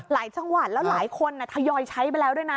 จังหวัดแล้วหลายคนทยอยใช้ไปแล้วด้วยนะ